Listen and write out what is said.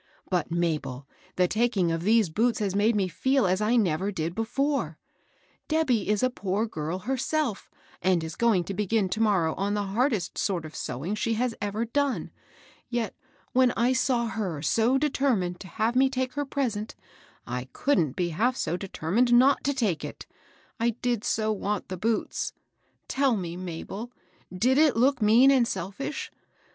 But, Mabel, the taking of these boots has made me feel as I never did before I Debbyisa poor girl herself, and is going to begin to morrow on the hardest sort of sewing she has ever done ; yet, when I saw her so determined to have me take her present, I couldrCt be half so determined not to take it, I did so want the boots 1 Tell me, Mabel, did it look mean and selfish?